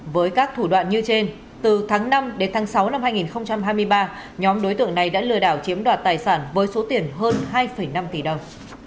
với các thủ đoạn như trên từ tháng năm đến tháng sáu năm hai nghìn hai mươi ba nhóm đối tượng này đã lừa đảo chiếm đoạt tài sản với số tiền hơn hai năm tỷ đồng